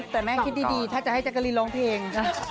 แต่แม่คิดดีถ้าจะให้แจ๊กกะรีนร้องเพลง